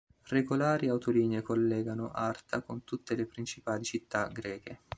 Regolari autolinee collegano Arta con tutte le principali città greche.